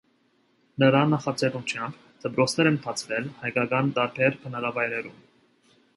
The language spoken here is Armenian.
Նրա նախաձեռնությամբ դպրոցներ են բացվել հայկական տարբեր բնակավայրերում։